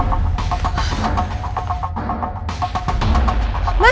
aku mau ke rumah